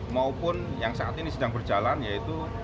maupun yang saat ini sedang berjalan yaitu